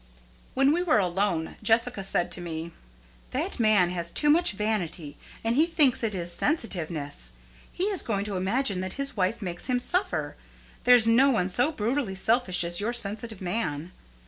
When we were alone, Jessica said to me: "That man has too much vanity, and he thinks it is sensitiveness. He is going to imagine that his wife makes him suffer. There's no one so brutally selfish as your sensitive man.